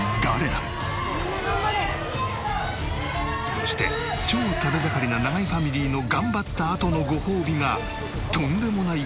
そして超食べ盛りな永井ファミリーの頑張ったあとのごほうびがとんでもない事に！